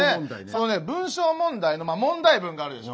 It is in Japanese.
そのね文章問題の問題文があるでしょ。